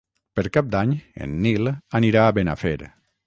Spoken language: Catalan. Per Cap d'Any en Nil anirà a Benafer.